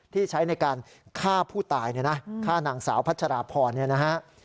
ที่ใช้ในการฆ่าผู้ตายเนี่ยนะฆ่านางสาวพัชราพรเนี่ยนะฮะ